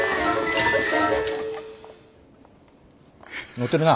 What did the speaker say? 載ってるな。